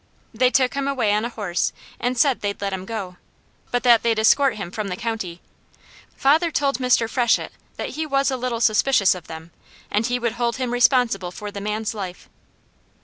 They took him away on a horse and said they'd let him go, but that they'd escort him from the county. Father told Mr. Freshett that he was a little suspicious of them, and he would hold him responsible for the man's life.